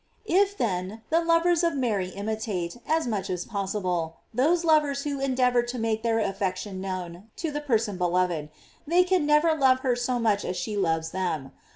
If, then, the lovers of Mary imitate, as much as possible, those lovers who endeavor to make known their affection to the person beloved, they can never love her so much as she loves them.